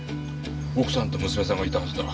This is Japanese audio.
奥さんと娘さんがいたはずだ。